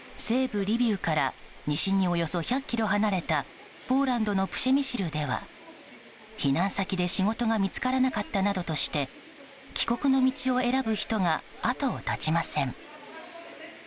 西部リビウから西におよそ１００ｋｍ離れたポーランドのプシェミシルでは避難先で仕事が見つからなかったなどとして帰国の道を選ぶ人が後を絶ちません。